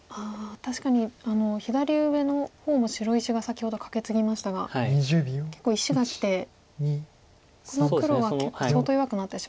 確かに左上の方の白石が先ほどカケツギましたが結構石がきてこの黒は結構相当弱くなってしまったと。